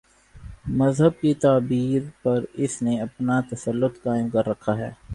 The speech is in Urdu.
مذہب کی تعبیر پر اس نے اپنا تسلط قائم کر رکھا ہے۔